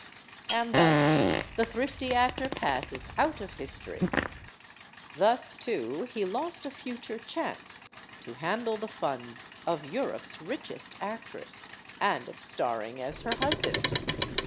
And thus the thrifty actor passes out of history. Thus, too, he lost a future chance to handle the funds of Europe's richest actress, and of starring as her husband.